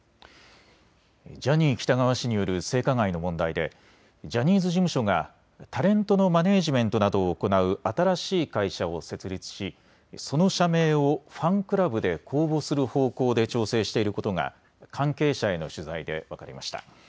ジャニー喜多川氏による性加害の問題でジャニーズ事務所がタレントのマネージメントなどを行う新しい会社を設立しその社名をファンクラブで公募する方向で調整していることが関係者への取材で分かりました。